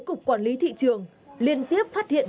cục quản lý thị trường liên tiếp phát hiện